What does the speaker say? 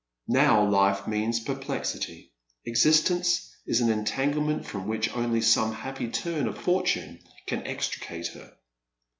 Now life means perplexity. Existence is an entanglement from which only some happy turn of fortune can extricate her.